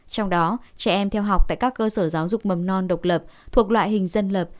trong đó trẻ em theo học tại các cơ sở giáo dục mầm non độc lập thuộc loại hình dân lập